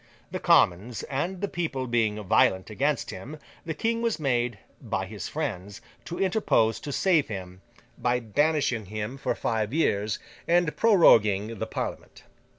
The Commons and the people being violent against him, the King was made (by his friends) to interpose to save him, by banishing him for five years, and proroguing the Parliament.